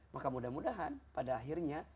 maka mudah mudahan pada akhirnya